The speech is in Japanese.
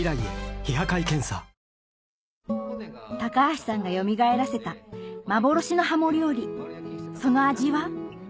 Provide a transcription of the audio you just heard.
橋さんがよみがえらせた幻の鱧料理その味は？